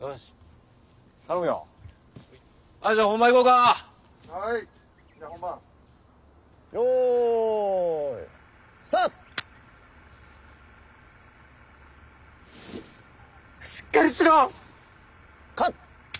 しっかりしろ！